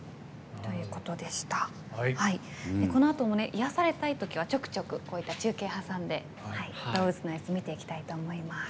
このあとも癒やされたい時はちょくちょくこういった中継を挟んで動物の様子を見ていきたいと思います。